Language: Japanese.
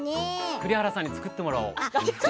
栗原さんに作ってもらおう。